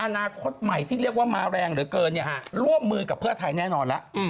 อนาคตใหม่ที่เรียกว่ามาแรงเหลือเกินร่วมมือกับเพื่อไทยแน่นอนแล้ว